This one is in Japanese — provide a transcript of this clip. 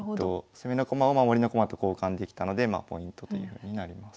攻めの駒を守りの駒と交換できたのでポイントというふうになります。